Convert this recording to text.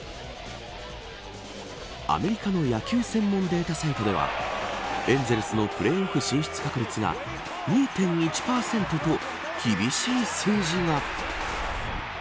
アメリカの野球専門データサイトではエンゼルスのプレーオフ進出確率が２．１％と厳しい数字が。